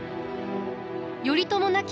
頼朝亡き